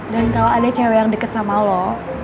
dan kalo ada cewek yang deket sama lo